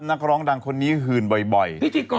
นักร้องดังคนนี้หื่นบ่อย